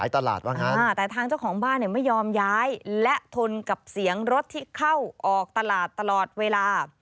แต่ทางเจ้าของบ้านไม่ยอมย้ายและทนกับเสียงรถที่เข้าออกตลาดตลอดเวลา